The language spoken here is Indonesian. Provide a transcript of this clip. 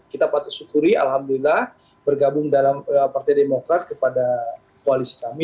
kita patut syukuri alhamdulillah bergabung dalam partai demokrat kepada koalisi kami